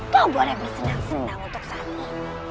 kau boleh bersenang senang untuk saat ini